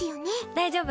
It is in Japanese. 大丈夫！